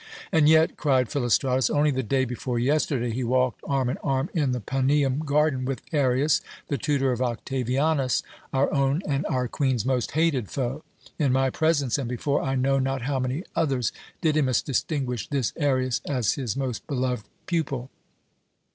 "And yet," cried Philostratus, "only the day before yesterday he walked arm in arm in the Paneum garden with Arius, the tutor of Octavianus, our own and our Queen's most hated foe. In my presence, and before I know not how many others, Didymus distinguished this Arius as his most beloved pupil."